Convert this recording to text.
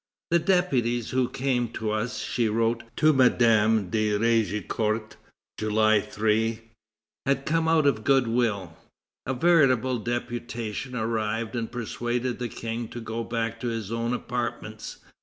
"The deputies who came to us," she wrote to Madame de Raigecourt, July 3, "had come out of good will. A veritable deputation arrived and persuaded the King to go back to his own apartments.